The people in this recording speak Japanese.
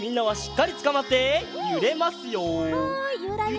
はいゆらゆら。